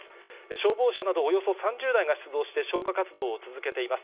消防車など、およそ３０台が出動して、消火活動を続けています。